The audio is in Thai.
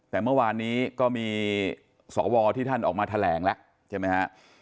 แต่เมื่อวานนี้ก็มีสวที่ท่านออกมาแถลงแล้วใช่ไหมฮะ